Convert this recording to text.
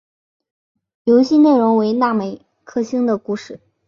游戏内容为那美克星的故事。